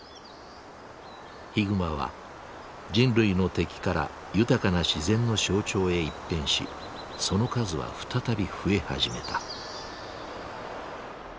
ヒグマは人類の敵から豊かな自然の象徴へ一変しその数は再び増え始めた。